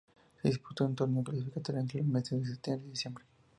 Se disputó un torneo clasificatorio entre los meses de septiembre y diciembre.